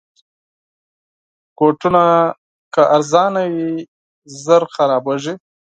بوټونه که ارزانه وي، ژر خرابیږي.